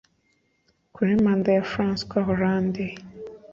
Kuri manda ya François Hollande